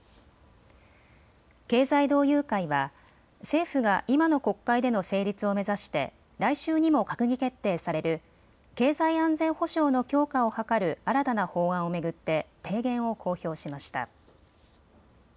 経済同友会は政府が今の国会での成立を目指して来週にも閣議決定される経済安全保障の強化を図る新たな法案を巡って提言を公表しました。